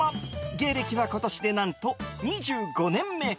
芸歴は今年で何と２５年目。